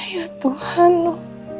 ya tuhan no